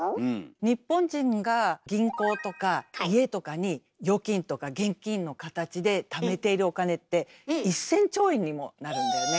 日本人が銀行とか家とかに預金とか現金の形でためているお金って１，０００兆円にもなるんだよね。